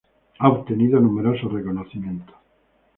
Ha obtenido numerosos reconocimientos.